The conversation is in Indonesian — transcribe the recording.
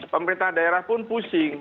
pemerintah daerah pun pusing